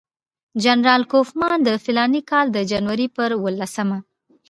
جنرال کوفمان د فلاني کال د جنوري پر اووه لسمه.